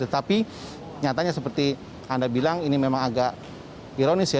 tetapi nyatanya seperti anda bilang ini memang agak ironis ya